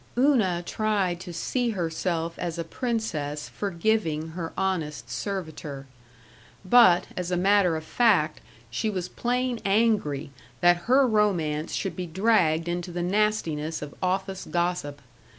Una tried to see herself as a princess forgiving her honest servitor. But, as a matter of fact, she was plain angry that her romance should be dragged into the nastiness of office gossip.